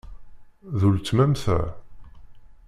D uletma-m ta?